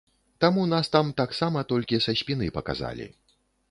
Таму нас там таксама толькі са спіны паказалі.